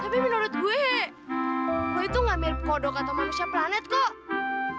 tapi menurut gue itu gak mirip kodok atau manusia planet kok